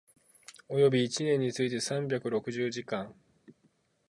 及び一年について三百六十時間